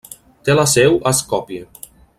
Té la seu a Skopje.